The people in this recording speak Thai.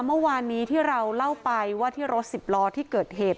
เมื่อวานนี้ที่เราเล่าไปว่าที่รถสิบล้อที่เกิดเหตุ